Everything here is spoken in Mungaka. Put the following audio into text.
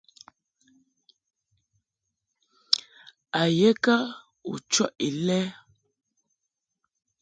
A ye kə u chɔʼ Ilɛ?